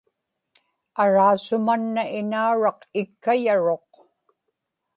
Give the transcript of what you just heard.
araasu-manna inauraq ikkayaruq